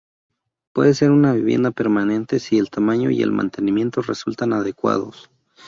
Puede ser una vivienda permanente si el tamaño y el mantenimiento resultan adecuados.